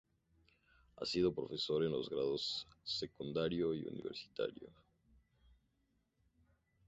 Ha sido profesor en los grados secundario y universitario.